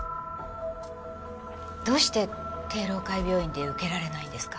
どうして帝楼会病院で受けられないんですか？